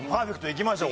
いきましょう！